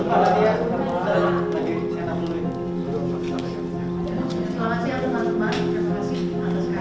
akan oleh kalau teman teman sudah siap ya